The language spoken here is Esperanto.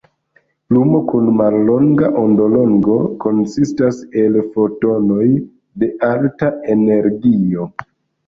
Lumo kun mallonga ondolongo konsistas el fotonoj de alta energio.